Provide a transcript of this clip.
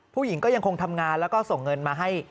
ผู้หญิงก็ยังคงทำงานแล้วก็ส่งเงินมาให้